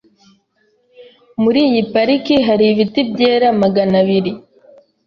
Muri iyi pariki hari ibiti byera magana abiri .